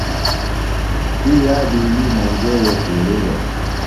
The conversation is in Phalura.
تی یابی وی منگے وے پُورِلوۡ۔